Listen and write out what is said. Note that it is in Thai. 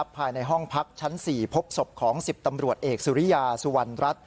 ภายในห้องพักชั้น๔พบศพของ๑๐ตำรวจเอกสุริยาสุวรรณรัฐ